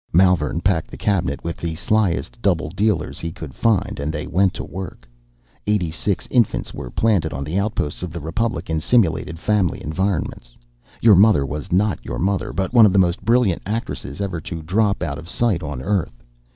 _ "Malvern packed the cabinet with the slyest double dealers he could find and they went to work. Eighty six infants were planted on the outposts of the Republic in simulated family environments. Your mother was not your mother but one of the most brilliant actresses ever to drop out of sight on Earth.